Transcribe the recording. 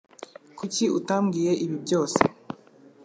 Kuki utambwiye ibi byose?